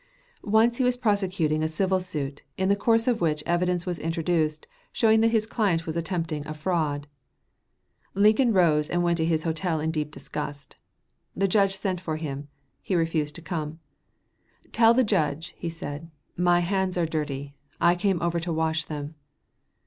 Once he was prosecuting a civil suit, in the course of which evidence was introduced showing that his client was attempting a fraud. Lincoln rose and went to his hotel in deep disgust. The judge sent for him; he refused to come. "Tell the judge," he said, "my hands are dirty; I came over to wash them."